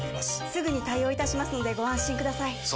すぐに対応いたしますのでご安心ください